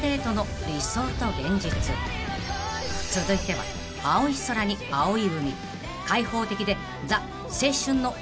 ［続いては青い空に青い海開放的で］